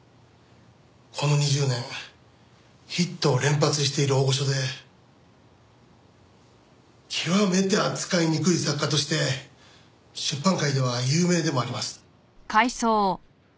この２０年ヒットを連発している大御所で極めて扱いにくい作家として出版界では有名でもあります。